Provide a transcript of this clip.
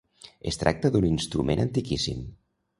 Es tracta d’un instrument antiquíssim.